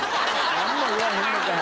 なんも言わへんのかい！